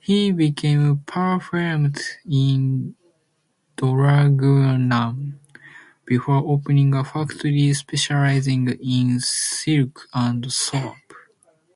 He became perfumer in Draguignan before opening a factory specializing in silk and soap.